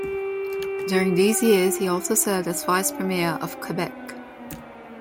During these years he also served as Vice-Premier of Quebec.